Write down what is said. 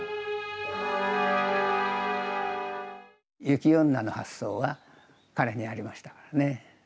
雪女の発想は彼にありましたからね。